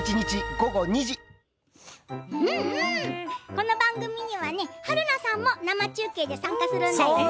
この番組にはね春菜さんも生中継で参加するんだよね。